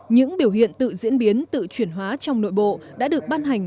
những biểu hiện tự diễn biến tự chuyển hóa trong nội bộ đã được ban hành